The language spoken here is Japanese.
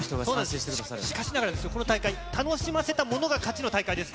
しかしながらですよ、この大会、楽しませたものが勝ちの大会です。